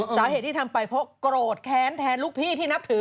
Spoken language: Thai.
สาเหตุที่ทำไปเพราะโกรธแค้นแทนลูกพี่ที่นับถือ